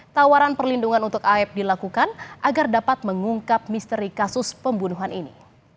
tawaran perlindungan untuk aep dilakukan agar dapat mengungkap misteri kasus pembunuhan ini